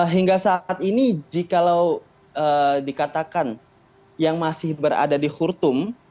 hingga saat ini jika dikatakan yang masih berada di hurtum